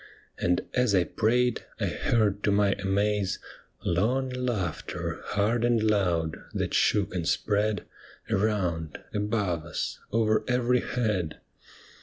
And as I prayed, I heard to my amaze Long laughter, hard and loud, that shook and spread Around, above us, over every head I02 'THE ME WITHIN THEE BLIND!'